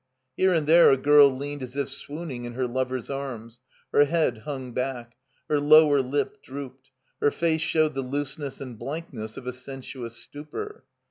Here and there a girl leaned as if swooning in her lover's arms; her head hung back; her lower lip drooped; her face showed the looseness and blankness of a sensuous stupor.